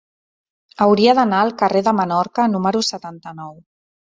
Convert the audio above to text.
Hauria d'anar al carrer de Menorca número setanta-nou.